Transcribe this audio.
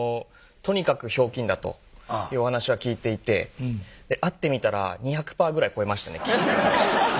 とにかくひょうきんだというお話は聞いていて会ってみたら２００％ぐらい超えましたね